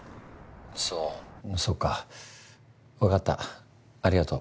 そうそっかわかったありがとう。